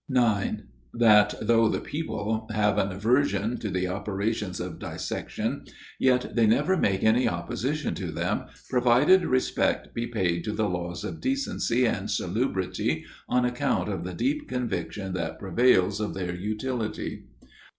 9. That though the people have an aversion to the operations of dissection, yet they never make any opposition to them, provided respect be paid to the laws of decency and salubrity, on account of the deep conviction that prevails of their utility, 10.